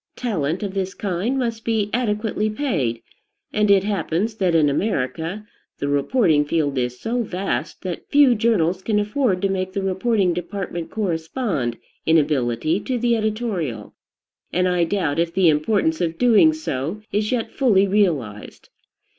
Talent of this kind must be adequately paid; and it happens that in America the reporting field is so vast that few journals can afford to make the reporting department correspond in ability to the editorial, and I doubt if the importance of doing so is yet fully realized.